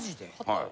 はい。